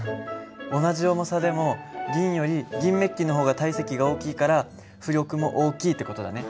同じ重さでも銀より銀めっきの方が体積が大きいから浮力も大きいって事だね。